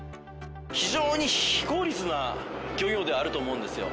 非常に非効率な漁業ではあると思うんですよ。